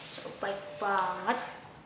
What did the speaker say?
seo baik banget